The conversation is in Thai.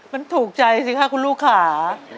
มันถูกใจสิคะคุณลูกค่ะ